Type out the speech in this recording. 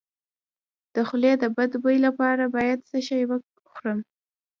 د خولې د بد بوی لپاره باید څه شی وخورم؟